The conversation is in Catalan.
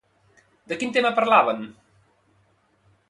De quin tema parlaven?